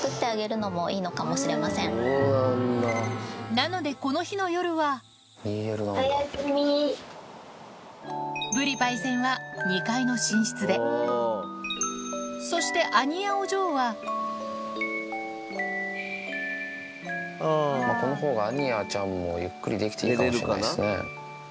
なのでこの日の夜はぶりパイセンはそしてアニヤお嬢はまぁこの方がアニヤちゃんもゆっくりできていいかもしんないですね。